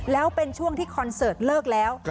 แล้วเป็นช่วงที่คอนเสิร์ตเลิกแล้ว